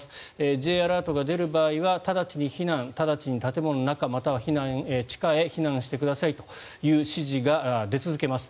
Ｊアラートが出る場合は直ちに避難、直ちに建物の中または地下へ避難してくださいという指示が出続けます。